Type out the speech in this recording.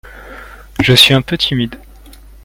Je suis un peu timide.